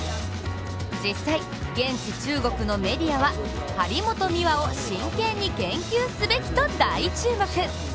実際、現地中国のメディアは張本美和を真剣に研究すべきと大注目。